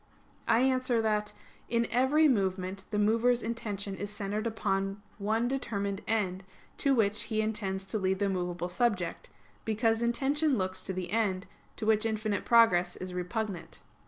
I answer that, In every movement the mover's intention is centered upon one determined end, to which he intends to lead the movable subject; because intention looks to the end, to which infinite progress is repugnant.